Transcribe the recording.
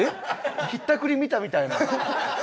ひったくり見たみたいな。